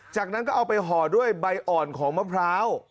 จากนั้นก็เอาไปห่อด้วยใบอ่อนของมะพร้าว